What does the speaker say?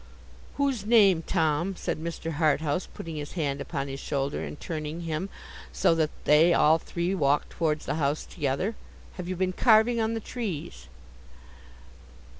'Whose name, Tom,' said Mr. Harthouse, putting his hand upon his shoulder and turning him, so that they all three walked towards the house together, 'have you been carving on the trees?